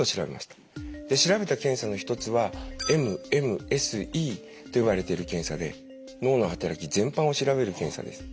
調べた検査の一つはＭＭＳＥと呼ばれている検査で脳の働き全般を調べる検査です。